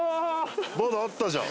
まだあったじゃん